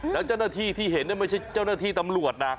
แล้วเจ้าหน้าที่ที่เห็นไม่ใช่เจ้าหน้าที่ตำรวจนะ